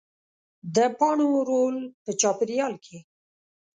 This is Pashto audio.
د پاڼو رول په چاپېریال کې